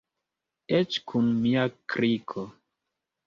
Eĉ kun mia kriko.